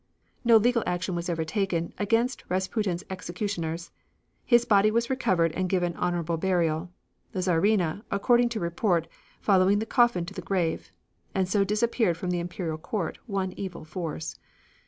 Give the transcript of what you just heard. No legal action was ever taken against Rasputin's executioners. His body was recovered and given honorable burial. The Czarina, according to report, following the coffin to the grave. And so disappeared from the Imperial Court one evil force.